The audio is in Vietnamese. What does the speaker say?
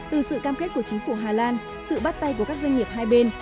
từ sự cam kết của chính phủ hà lan sự bắt tay của các doanh nghiệp hai bên